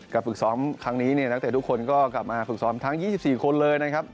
กับฝึกซ้อมครั้งนี้เนี่ยตั้งแต่ทุกคนก็กลับมาฝึกซ้อมทางยี่สิบสี่คนเลยนะครับ